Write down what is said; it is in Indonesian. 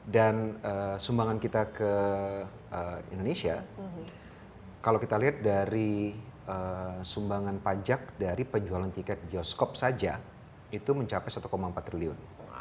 dan sumbangan kita ke indonesia kalau kita lihat dari sumbangan pajak dari penjualan tiket geoscope saja itu mencapai satu empat triliun